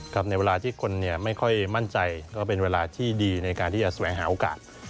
ในเวลาที่คนไม่ค่อยมั่นใจก็เป็นเวลาที่ดีในการที่จะแสวงหาโอกาส